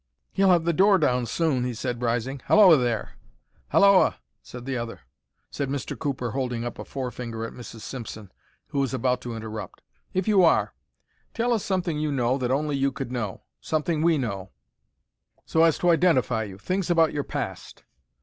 "He'll have the door down soon," he said, rising. "Halloa, there!" "Halloa!" said the other. "You say you're Bill Simpson," said Mr. Cooper, holding up a forefinger at Mrs. Simpson, who was about to interrupt. "If you are, tell us something you know that only you could know; something we know, so as to identify you. Things about your past."